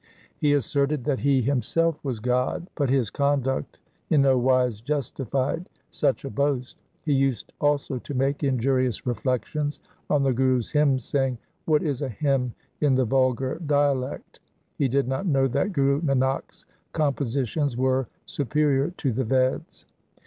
He asserted that he himself was God, but his conduct in no wise justified such a boast. He used also to make injurious reflections on the Guru's hymns, saying, ' What is a hymn in the vulgar dialect ?' He did not know that Guru Nanak's compositions were superior to the Veds.